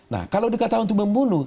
nah kalau dikatakan untuk membunuh